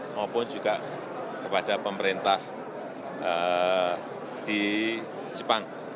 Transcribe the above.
maupun juga kepada pemerintah di jepang